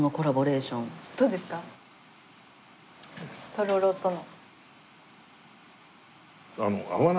とろろとの。